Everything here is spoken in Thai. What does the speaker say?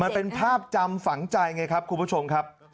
มันเป็นภาพจำฝังใจไงครับคุณผู้ชมครับ